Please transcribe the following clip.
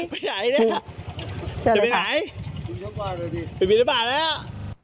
ไปไหนเนี่ยจะไปไหนบินทบาทแล้ว